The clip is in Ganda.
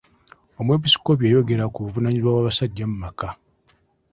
Omwepisikoopi yayogera ku buvunaanyizibwa bw'abasajja mu maka.